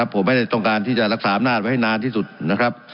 ผมไม่ได้ต้องการที่จะรักษาอำนาจไว้ให้นานที่สุดนะครับ